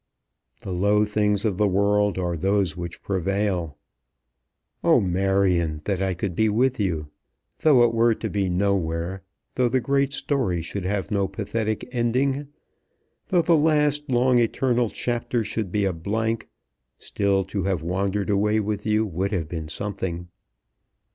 The low things of the world are those which prevail." "Oh, Marion, that I could be with you! Though it were to be nowhere, though the great story should have no pathetic ending, though the last long eternal chapter should be a blank, still to have wandered away with you would have been something."